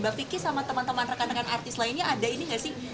mbak vicky sama teman teman rekan rekan artis lainnya ada ini nggak sih